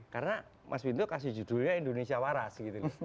karena mas wendo kasih judulnya indonesia waras gitu